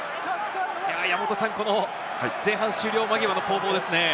この前半終了間際の攻防ですね。